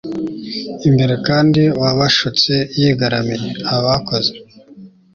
imbere kandi uwabashutse yigaramiye(abakoze